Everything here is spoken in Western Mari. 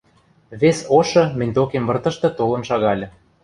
Вес ошы мӹнь докем выртышты толын шагальы.